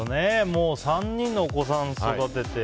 もう３人のお子さんを育てて。